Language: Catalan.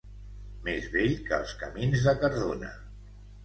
Més vell que els camins de Cardona.